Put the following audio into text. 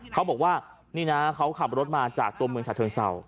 เขาบอกว่านี่นะเขาขับรถมาจากตัวเมืองฉะเชิงเศร้า